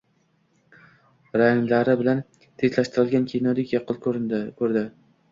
ranglari bilan, tezlashtirilgan kinodek yaqqol ko‘rdi.